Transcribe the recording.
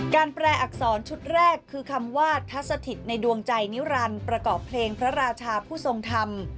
แปลอักษรชุดแรกคือคำว่าทัศถิตในดวงใจนิรันดิ์ประกอบเพลงพระราชาผู้ทรงธรรม